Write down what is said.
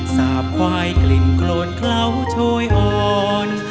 สาบควายกลิ่นโครนเคล้าโชยอ่อน